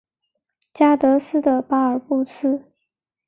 加的斯的巴尔布斯。